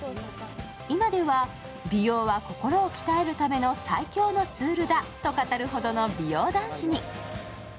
今では、美容は心を鍛えるための最強のツールだと語るほどの美容男子に。